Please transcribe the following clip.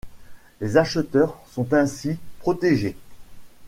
Les acheteurs sont ainsi protégés.